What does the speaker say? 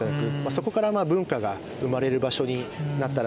そこから文化が生まれる場所になったらなと。